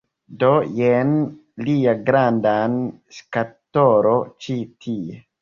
Do, jen lia grandan skatolo ĉi tie...